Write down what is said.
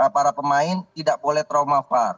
para pemain tidak boleh trauma far